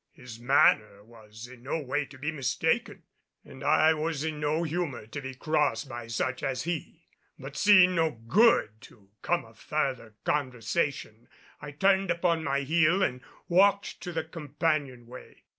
His manner was in no way to be mistaken and I was in no humor to be crossed by such as he. But seeing no good to come of further conversation I turned upon my heel and walked to the companion way.